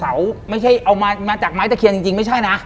ไม่ใช่เอามาจากไม้ตะเคียนจริงไม่ใช่นะ